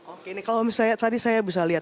oke ini kalau misalnya tadi saya bisa lihat